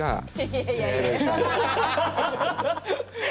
いやいやいや。